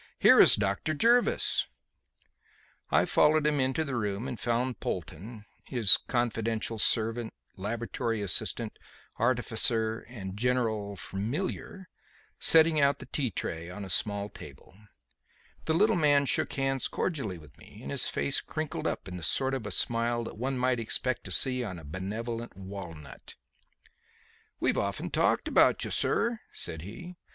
"Here is Dr. Jervis." I followed him into the room and found Polton his confidential servant, laboratory assistant, artificer and general "familiar" setting out the tea tray on a small table. The little man shook hands cordially with me, and his face crinkled up into the sort of smile that one might expect to see on a benevolent walnut. "We've often talked about you, sir," said he.